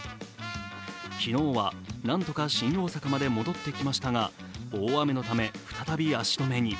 昨日は何とか新大阪まで戻ってきましたが大雨のため、再び足止めに。